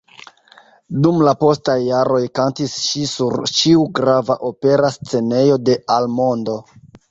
Dum la postaj jaroj kantis ŝi sur ĉiu grava opera scenejo de al mondo.